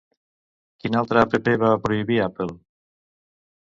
Quina altra app va prohibir Apple?